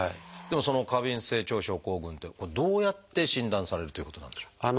でもその過敏性腸症候群ってどうやって診断されるっていうことなんでしょう？